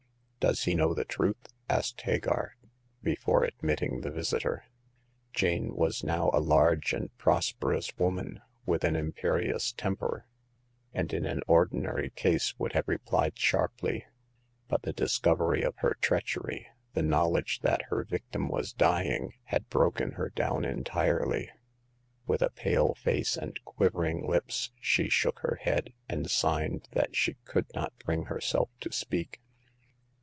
Does he know the truth?" asked Hagar, before admitting the visitor. Jane was now a large and pto%^«Qvi^ ^^\fiasy.^ 176 Hagar of the Pawn Shop. ^ with an imperious temper, and in an ordinary case would have repUed sharply. But the dis covery of her treachery, the knowledge that her victim was dying, had broken her down entirely. With a pale face and quivering lips, she shook her head, and signed that she could not bring herself to speak.